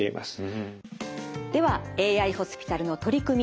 ではＡＩホスピタルの取り組み